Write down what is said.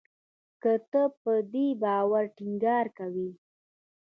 که ته په دې باور ټینګار کوې